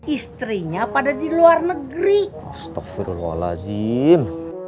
istrinya pada di luar negeri astagfirullahaladzim